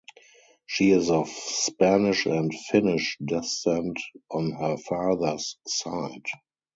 She is of Spanish and Finnish descent on her father's side.